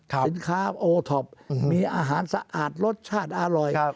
สินค้าโอท็อปมีอาหารสะอาดรสชาติอร่อย